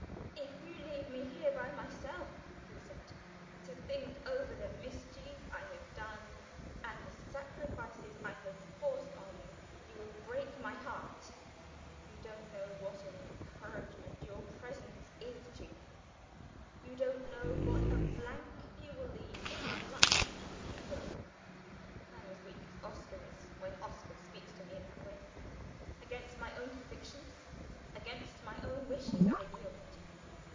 'If you leave me here by myself,' he said, 'to think over the mischief I have done, and the sacrifices I have forced on you you will break my heart. You don't know what an encouragement your presence is to me; you don't know what a blank you will leave in my life if you go!' I am as weak as Oscar is, when Oscar speaks to me in that way. Against my own convictions, against my own wishes, I yielded.